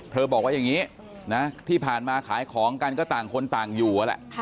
บอกว่าอย่างนี้นะที่ผ่านมาขายของกันก็ต่างคนต่างอยู่นั่นแหละ